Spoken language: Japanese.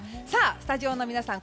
スタジオの皆さん